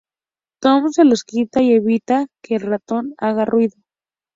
Tom se los quita y evita que el ratón haga ruido.